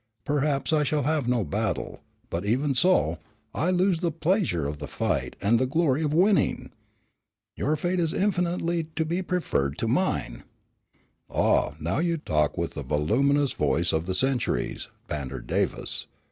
Perhaps I shall have no battle, but even so, I lose the pleasure of the fight and the glory of winning. Your fate is infinitely to be preferred to mine." "Ah, now you talk with the voluminous voice of the centuries," bantered Davis.